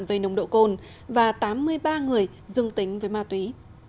về nồng độ cồn và tám mươi ba người dương tính với ma túy